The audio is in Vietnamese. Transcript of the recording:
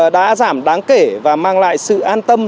đã giảm đáng kể và mang lại sự an tâm